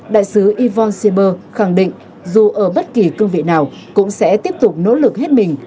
đại sứ ivan shiber khẳng định dù ở bất kỳ cương vị nào cũng sẽ tiếp tục nỗ lực hết mình